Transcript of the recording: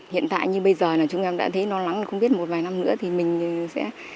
hiện tại như bây giờ là chúng em đã thấy lo lắng không biết một vài năm nữa thì mình sẽ